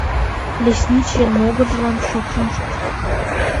Лесничийын могыржылан шокшын чучо.